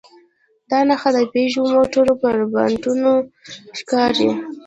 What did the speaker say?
دا نښه د پيژو موټرو پر بانټونو ښکاري.